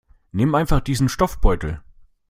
Nimm einfach diesen Stoffbeutel.